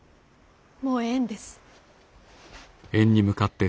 もうええんです。